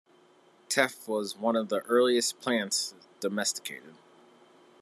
Teff was one of the earliest plants domesticated.